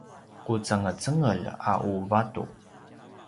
qucengecengel a u vatu